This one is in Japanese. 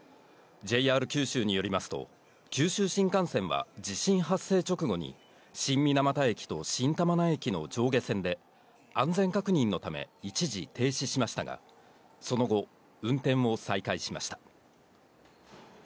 ＪＲ九州によりますと、九州新幹線は地震発生直後に、新水俣駅と新玉名駅の上下線で、安全確認のため一時停止しましたが、その後、運転を再開しました。